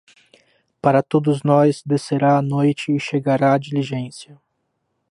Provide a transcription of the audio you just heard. Para todos nós descerá a noite e chegará a diligência.